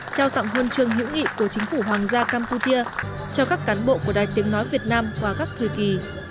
trao tặng huân trường hữu nghị của chính phủ hoàng gia campuchia cho các cán bộ của đài tiếng nói việt nam qua các thời kỳ